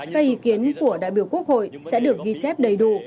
các ý kiến của đại biểu quốc hội sẽ được ghi chép đầy đủ